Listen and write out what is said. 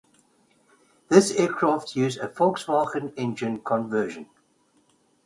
This aircraft used a Volkswagen engine conversion.